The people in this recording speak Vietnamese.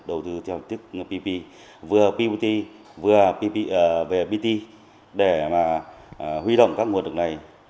đầu tư theo hình thức tpp vừa bot vừa bot để huy động các nguồn lực này